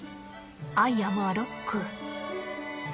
アイアムアロック。